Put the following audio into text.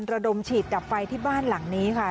ระดมฉีดดับไฟที่บ้านหลังนี้ค่ะ